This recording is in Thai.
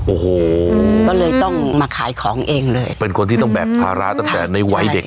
โอ้โหก็เลยต้องมาขายของเองเลยเป็นคนที่ต้องแบกภาระตั้งแต่ในวัยเด็ก